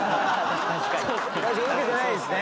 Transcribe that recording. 確かに受けてないですね。